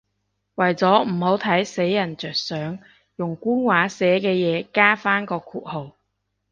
為咗唔好睇死人着想，用官話寫嘅嘢加返個括號